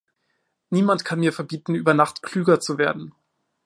Niemand kann mir verbieten, über Nacht klüger zu werden.